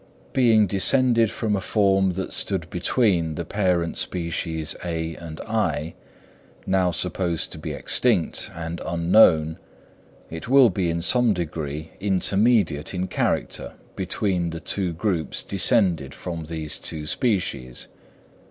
Being descended from a form that stood between the parent species (A) and (I), now supposed to be extinct and unknown, it will be in some degree intermediate in character between the two groups descended from these two species.